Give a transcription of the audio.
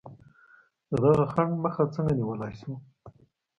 د دغه خنډ مخه څنګه نیولای شو؟